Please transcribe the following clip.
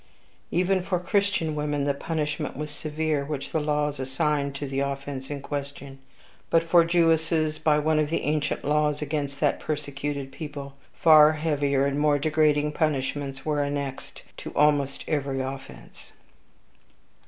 Even for Christian women the punishment was severe which the laws assigned to the offense in question. But for Jewesses, by one of the ancient laws against that persecuted people, far heavier and more degrading punishments were annexed to almost every offense.